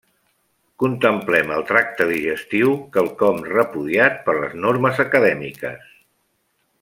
Contemplem el tracte digestiu, quelcom repudiat per les normes acadèmiques.